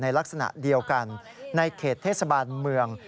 ลักษณะเดียวกันในเขตเทศบาลเมือง